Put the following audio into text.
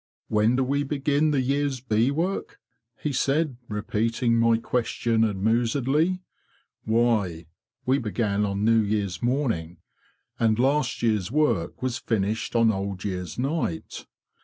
'"'When do we begin the year's bee work? "' he said, repeating my question amusedly. '' Why, we began on New Year's morning. And last year's work was finished on Old Year's night.